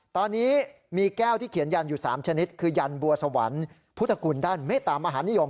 ตอนนี้มีแก้วที่เขียนยันอยู่๓ชนิดคือยันบัวสวรรค์พุทธคุณด้านเมตามหานิยม